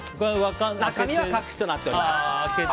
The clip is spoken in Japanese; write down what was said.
中身は隠しとなっております。